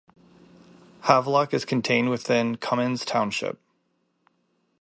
Havelock is contained within Cummins Township.